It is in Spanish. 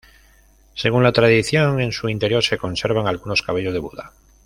Según la tradición, en su interior se conservan algunos cabellos de Buda.